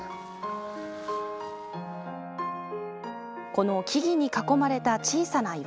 この木々に囲まれた小さな岩。